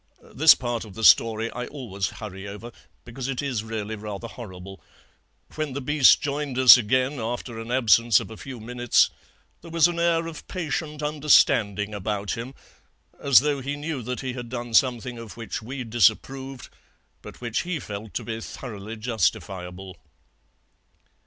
This part of the story I always hurry over, because it is really rather horrible. When the beast joined us again, after an absence of a few minutes, there was an air of patient understanding about him, as though he knew that he had done something of which we disapproved, but which he felt to be thoroughly justifiable.